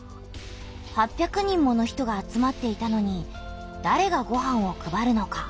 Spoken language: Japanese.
８００人もの人が集まっていたのにだれがごはんを配るのか？